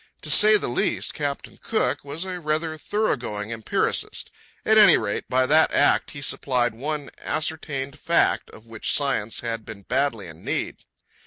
To say the least, Captain Cook was a rather thorough going empiricist. At any rate, by that act he supplied one ascertained fact of which science had been badly in need.